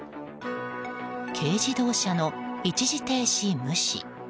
軽自動車の一時停止無視。